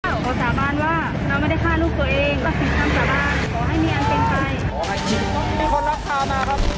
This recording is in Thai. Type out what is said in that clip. พอสาบานว่าน้องไม่ได้ฆ่าลูกตัวเอง